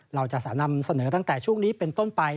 เราจะนำเสนอตั้งแต่ช่วงนี้เป็นต้นไป